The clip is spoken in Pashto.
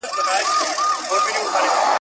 زه اوس سبزیحات وچوم؟!